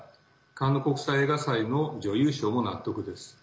カンヌ国際映画祭の女優賞も納得です。